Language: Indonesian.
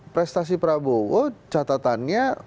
prestasi prabowo catatannya